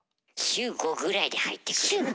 週５ぐらいで入ってくる。